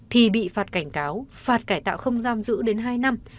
thì bị phạt cảnh cáo phạt cải tạo không giam giữ đến hai năm